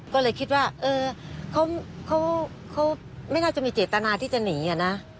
ก็เลยคิดว่าเขาไม่น่าจะมีเจตนาที่จะหนีนะ